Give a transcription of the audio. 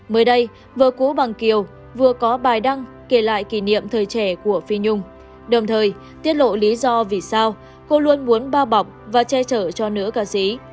mới đây vợ cũ bằng kiều vừa có bài đăng kể lại kỷ niệm thời trẻ của phi nhung đồng thời tiết lộ lý do vì sao cô luôn muốn bao bọc và che chở cho nữ ca sĩ